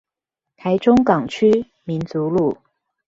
台中港區民族路